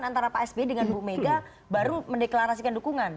antara pak sby dengan bu mega baru mendeklarasikan dukungan